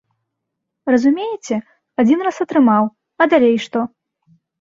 Разумееце, адзін раз атрымаў, а далей што?